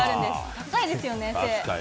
高いですよね、背。